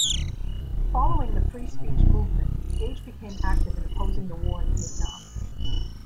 Following the Free Speech Movement, Gage became active in opposing the war in Vietnam.